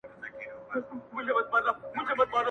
زه منکر نه یمه احسان یې د راتللو منم!